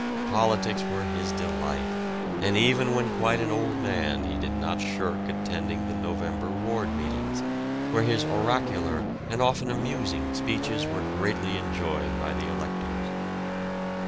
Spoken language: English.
Politics were his delight, and even when quite an old man he did not shirk attending the November ward meetings, where his oracular and often amusing speeches were greatly enjoyed by the electors.